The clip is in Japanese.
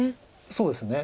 そうですね。